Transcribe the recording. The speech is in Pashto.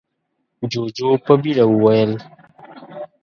جُوجُو په بيړه وويل: